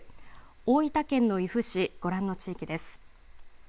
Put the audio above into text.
大分県の由布市ご覧の地域です。